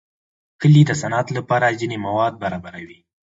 کلي د صنعت لپاره ځینې مواد برابروي.